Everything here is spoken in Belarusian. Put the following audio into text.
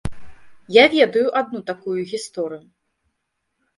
Я ведаю адну такую гісторыю.